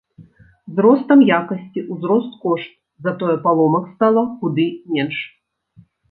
З ростам якасці узрос кошт, затое паломак стала куды менш.